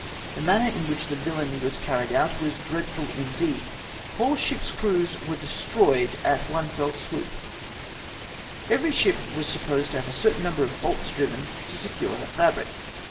The manner in which the villany was carried on was dread ful indeed. WIloIg ships' creivs luere destroyed at one fell sivoop. Every ship was supposed to have a certain number of bolts driven to secure her fabric.